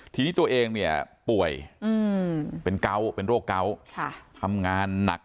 ทีนี้ตัวเองเนี่ยป่วยเป็นเกาะเป็นโรคเกาะทำงานหนัก